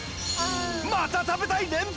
「また食べたい」連発！